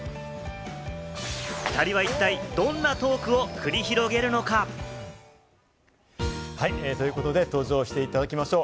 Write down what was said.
２人は一体どんなトークを繰り広げるのか？ということで登場していただきましょう。